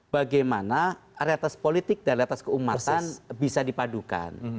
bagaimana realitas politik realitas keumatan bisa dipadukan